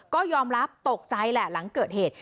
ก็ยอมรับตกใจแหละหลังเกิดเหตุ